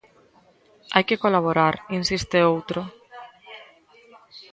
Hai que colaborar, insiste outro.